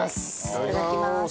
いただきます。